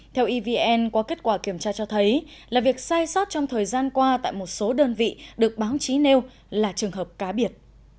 theo evn qua kết quả kiểm tra cho thấy là việc sai sót trong thời gian qua tại một số đơn vị được báo chí nêu là trường hợp cá biệt